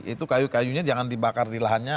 itu kayu kayunya jangan dibakar di lahannya